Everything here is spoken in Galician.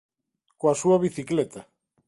coa súa bicicleta